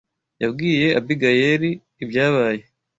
yabwiye Abigayili ibyabaye